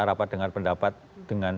rapat dengar pendapat dengan